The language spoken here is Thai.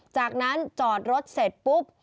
จากนั้นจอดรถเสร็จปุ๊บ